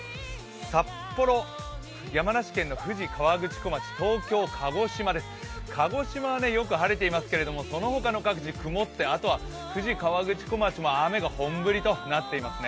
札幌、山梨県の富士河口湖町、東京・鹿児島です、鹿児島はよく晴れてますがその他の各地は雨が降って、あとは富士河口湖町も雨が本降りとなっていますね。